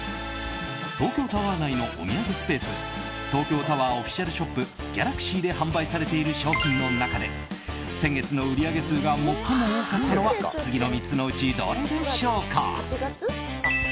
東京タワー内のお土産スペース東京タワーオフィシャルショップギャラクシーで販売されている商品の中で先月の売り上げ数が最も多かったのは次の３つのうちどれでしょうか？